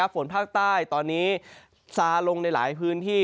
ฝนภาคใต้ตอนนี้ซาลงในหลายพื้นที่